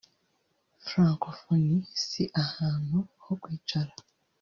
Francophonie si ahantu ho kwicara